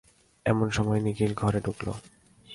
এমন সময় নিখিল ঘরে ঢুকল।